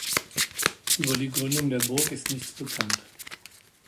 Über die Gründung der Burg ist nichts bekannt.